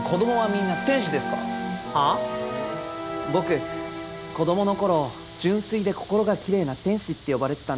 僕子どもの頃純粋で心がきれいな天使って呼ばれてたんです。